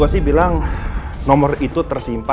masih beleriek nih kamu